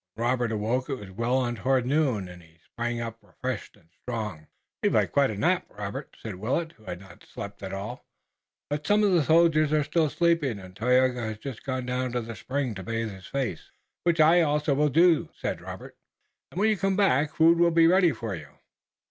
When Robert awoke it was well on toward noon and he sprang up, refreshed and strong. "You've had quite a nap, Robert," said Willet, who had not slept at all, "but some of the soldiers are still sleeping, and Tayoga has just gone down to the spring to bathe his face." "Which I also will do," said Robert. "And when you come back food will be ready for you."